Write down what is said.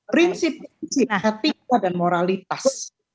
prinsip prinsip etika dan moralitas